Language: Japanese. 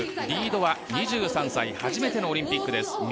リードは２３歳初めてのオリンピックです。